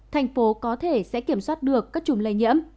thành phố có thể sẽ kiểm soát được các chùm lây nhiễm